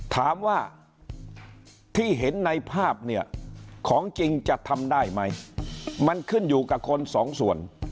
ถามว่าที่เห็นในภาพเนี่ยของจริงจะทำได้ไหมมันขึ้นอยู่กับคนสองส่วน